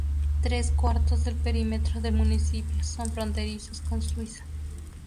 Tres cuartos del perímetro del municipio son fronterizos con Suiza.